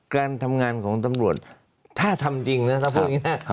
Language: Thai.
การทำงานของตำรวจถ้าทำจริงนะถ้าพูดง่าย